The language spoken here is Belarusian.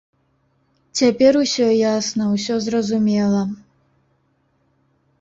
Цяпер усё ясна, усё зразумела.